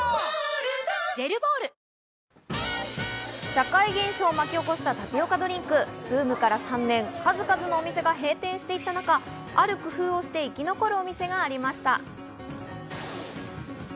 社会現象を巻き起こしたタピオカドリンク、ブームから３年、数々のお店が閉店していた中、ある工夫をして生き残るお店がありました。